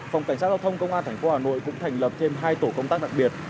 phòng cảnh sát giao thông công an tp hà nội cũng thành lập thêm hai tổ công tác đặc biệt